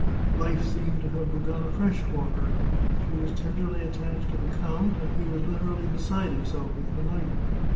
Life seemed to have begun afresh for her ; she was tenderly attached to the count, and he was literally beside himself with delight.